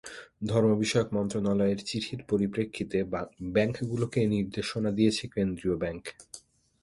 ধর্মবিষয়ক মন্ত্রণালয়ের চিঠির পরিপ্রেক্ষিতে ব্যাংকগুলোকে এ নির্দেশনা দিয়েছে কেন্দ্রীয় ব্যাংক।